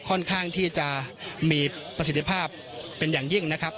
ค่อนข้างที่จะมีประสิทธิภาพเป็นอย่างยิ่งนะครับ